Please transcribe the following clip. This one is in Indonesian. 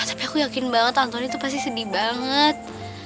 tapi aku yakin banget antoni tuh pasti sedih banget